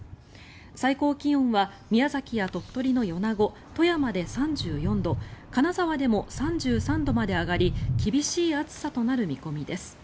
最高気温は宮崎や鳥取の米子、富山で３４度金沢でも３３度まで上がり厳しい暑さとなる見込みです。